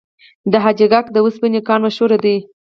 د حاجي ګک د وسپنې کان مشهور دی